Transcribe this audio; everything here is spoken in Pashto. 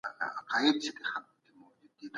تخنیک د تولید سرعت لوړوي.